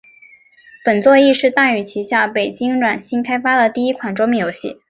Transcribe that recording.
本作亦是大宇旗下北京软星开发的第一款桌面游戏。